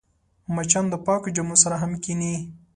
مچان د پاکو جامو سره هم کښېني